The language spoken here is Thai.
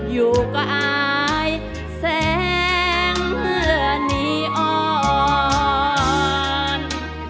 อยู่ก็อายแสงเหลือนี่อ่อน